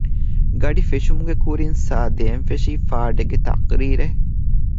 ގަޑި ފެށުމުގެ ކުރިން ސާރ ދޭން ފެށީ ފާޑެއްގެ ތަޤުރީރެއް